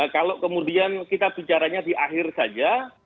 kalau kemudian kita bicaranya di akhir saja